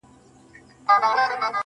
ستا په شونډو کي دي يو عالم چوپتياوې